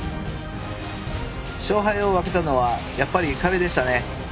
勝敗を分けたのはやっぱり壁でしたね。